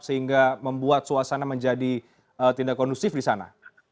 sehingga membuat suasana menjadi tidak kondusif di sana